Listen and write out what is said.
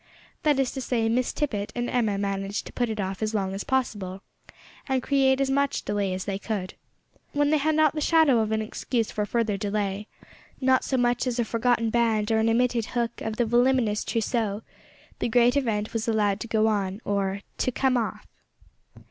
That is to say, Miss Tippet and Emma managed to put it off as long as possible and to create as much delay as they could. When they had not the shadow of an excuse for further delay not so much as a forgotten band or an omitted hook of the voluminous trousseau the great event was allowed to go on or, "to come off."